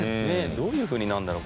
どういう風になるんだろう？